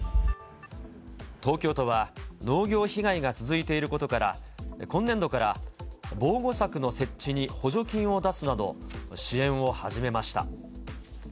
東京都は農業被害が続いていることから、今年度から防護柵の設置に補助金を出すなど、支援を始めました。